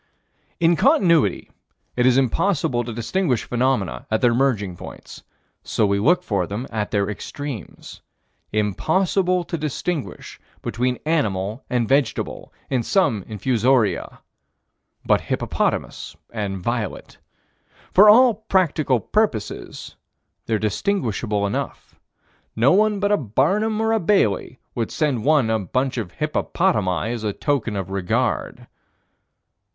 In Continuity, it is impossible to distinguish phenomena at their merging points, so we look for them at their extremes. Impossible to distinguish between animal and vegetable in some infusoria but hippopotamus and violet. For all practical purposes they're distinguishable enough. No one but a Barnum or a Bailey would send one a bunch of hippopotami as a token of regard.